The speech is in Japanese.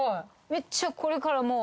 めっちゃこれからもう。